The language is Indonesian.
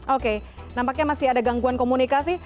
oke nampaknya masih ada gangguan komunikasi